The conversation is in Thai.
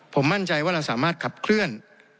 ผมมั่นใจว่าเราสามารถขับเคลื่อน